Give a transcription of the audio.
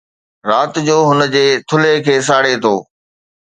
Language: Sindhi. رات جو هن جي ٿلهي کي ساڙي ٿو